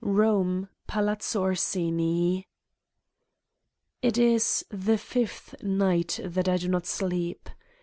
Eome, Palazzo Orsini. It is the fifth night that I do not sleep.